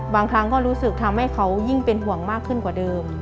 บางครั้งก็รู้สึกทำให้เขายิ่งเป็นห่วงมากขึ้นกว่าเดิม